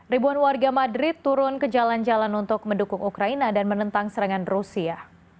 ribuan warga madrid turun ke jalan jalan untuk mendukung ukraina dan menentang serangan rusia